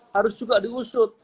harus juga diusut